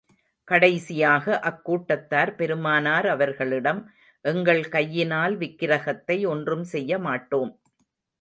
கடைசியாக, அக்கூட்டத்தார் பெருமானார் அவர்களிடம், எங்கள் கையினால், விக்கிரகத்தை ஒன்றும் செய்ய மாட்டோம்.